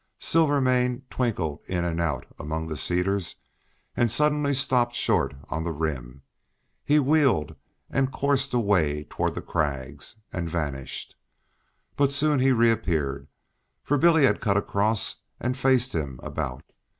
Silvermane twinkled in and out among the cedars, and suddenly stopped short on the rim. He wheeled and coursed away toward the crags, and vanished. But soon he reappeared, for Billy had cut across and faced him about.